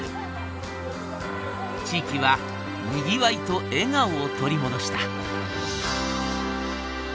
地域はにぎわいと笑顔を取り戻した。